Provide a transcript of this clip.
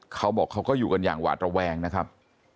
เขาบอกเขาก็อยู่กันอย่างหวาดระแวงนะครับ